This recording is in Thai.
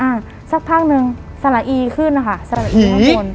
อ่าสักพักหนึ่งสละอีขึ้นอ่ะค่ะสละอีขึ้นข้างบนผี